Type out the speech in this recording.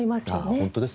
本当ですね。